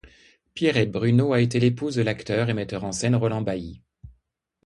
Pierrette Bruno a été l'épouse de l'acteur et metteur en scène Roland Bailly.